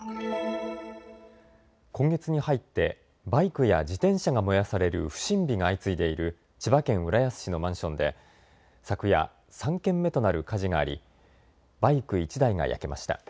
今月に入ってバイクや自転車が燃やされる不審火が相次いでいる千葉県浦安市のマンションで昨夜、３件目となる火事がありバイク１台が焼けました。